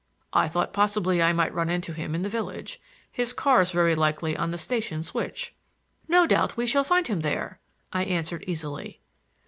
I thought possibly I might run into him in the village. His car's very likely on the station switch." "No doubt we shall find him there," I answered easily.